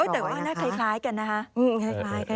แต่ว่าน่าคล้ายกันนะคะ